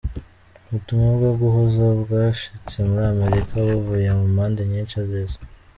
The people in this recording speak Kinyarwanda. Ubutumwa bwo guhoza bwashitse muri Amerika buvuye mu mpande nyinshi z'isi.